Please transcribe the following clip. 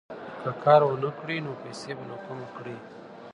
که کار ونه کړې، نو پیسې به له کومه کړې؟